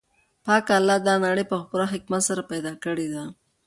پاک الله دا نړۍ په پوره حکمت سره پیدا کړې ده.